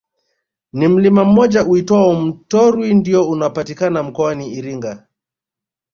Ni mlima mmoja uitwao Mtorwi ndiyo unapatikana mkoani Iringa